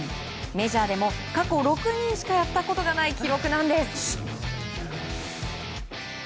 メジャーでも過去６人しかやったことがない記録なんです！